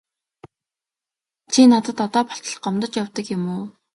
Чи надад одоо болтол гомдож явдаг юм уу?